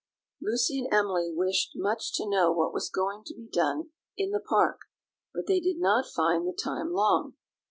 Lucy and Emily wished much to know what was going to be done in the park, but they did not find the time long.